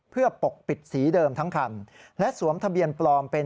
เพื่อปกปิดสีเดิมทั้งคันและสวมทะเบียนปลอมเป็น